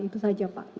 itu saja pak